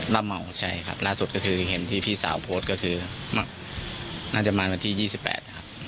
ละเมาใช่ครับล่าสุดก็คือเห็นที่พี่สาวโพสต์ก็คือน่าจะมาที่ยี่สิบแปดครับ